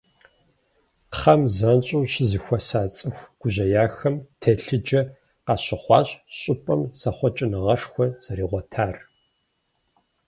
Кхъэм занщӏэу щызэхуэса цӏыху гужьеяхэм телъыджэ къащыхъуащ щӏыпӏэм зэхъуэкӏыныгъэшхуэ зэригъуэтар.